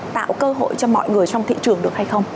tạo cơ hội cho mọi người trong thị trường được hay không